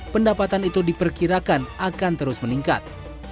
pendapatan itu diperkirakan akan terus meningkat